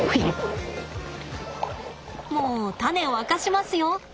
もうタネを明かしますよ！